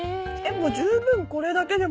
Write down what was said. もう十分これだけでも。